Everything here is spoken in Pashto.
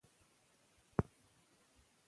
که یووالی وي نو جګړه نه وي.